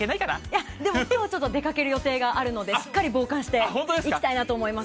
いや、でもきょうはちょっと出かける予定があるので、しっかり防寒していきたいなと思います。